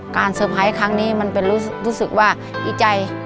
เซอร์ไพรส์ครั้งนี้มันเป็นรู้สึกว่าดีใจ